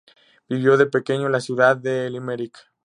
Vivió de pequeño a la ciudad de Limerick.